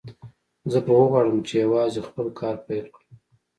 زه به وغواړم چې یوازې خپل کار پیل کړم